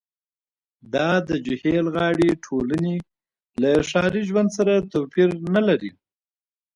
دا د جهیل غاړې ټولنې له ښاري ژوند سره توپیر نلري